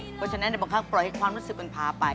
เพราะฉะนั้นบางครั้งปล่อยให้ความรู้สึกมันพาไป